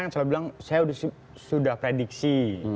yang selalu bilang saya sudah prediksi